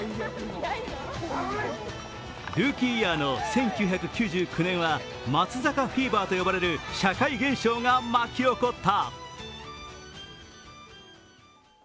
ルーキーイヤーの１９９９年は松坂フィーバーと呼ばれる社会現象が巻き起こった。